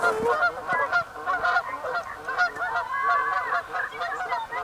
耿弇之弟耿国的玄孙。